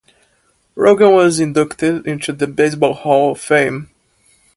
Rogan was inducted into the Baseball Hall of Fame.